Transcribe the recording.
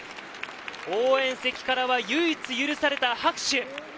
応援席からは唯一、許された拍手。